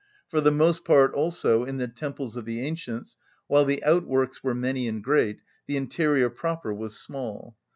For the most part, also, in the temples of the ancients, while the outworks were many and great, the interior proper was small.